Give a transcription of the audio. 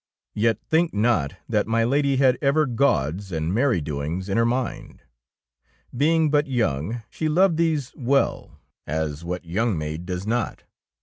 Yet think not that my Lady had ever gauds and merry doings in her mind. Being but young, she loved these well, as what young maid does not!